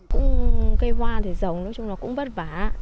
cây hoa thì giống nói chung là cũng bất vả